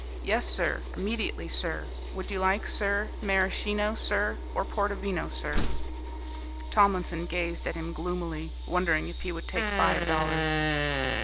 Yes, sir, immediately, sir; would you like, sir, Maraschino, sir, or Portovino, sir?" Tomlinson gazed at him gloomily, wondering if he would take five dollars.